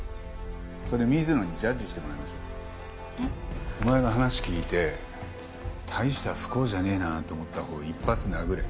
それ水野にジャッジしてもらいましょう。えっ？お前が話聞いて大した不幸じゃねえなと思ったほうを１発殴れ。